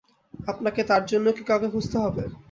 আপনাকে তার জন্যেও কী কাউকে খুঁজতে হবে।